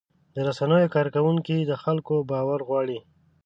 د رسنیو کارکوونکي د خلکو باور غواړي.